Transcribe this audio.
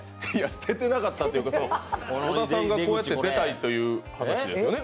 捨ててなかったというか、小田さんがこうやって出たいという話ですよね。